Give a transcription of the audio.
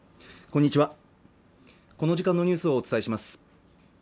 こんにちはこの時間のニュースをお伝えします